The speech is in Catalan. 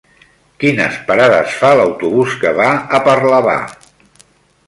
Quines parades fa l'autobús que va a Parlavà?